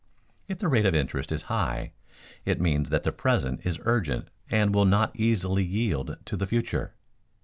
If the rate of interest is high, it means that the present is urgent and will not easily yield to the future.